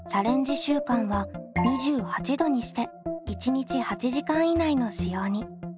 週間は２８℃にして１日８時間以内の使用に。